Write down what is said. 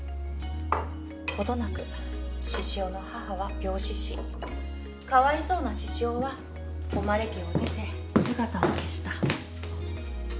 程なく獅子雄の母は病死しかわいそうな獅子雄は誉家を出て姿を消した。